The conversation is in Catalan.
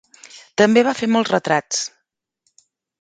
També va fer molts retrats.